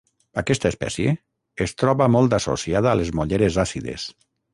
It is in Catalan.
Aquesta espècie es troba molt associada a les molleres àcides.